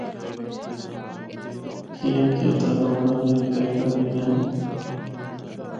کیانکہ اِتھا لوگاں دیاں بہکاں بھی ہن۔